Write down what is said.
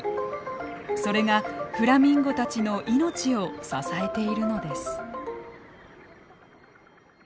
それがフラミンゴたちの命を支えているのです。